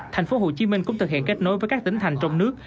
thành phố hồ chí minh cũng thực hiện kết nối với các tỉnh thành trong nước